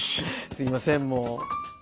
すいませんもう。